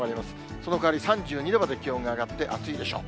そのかわり３２度まで気温が上がって暑いでしょう。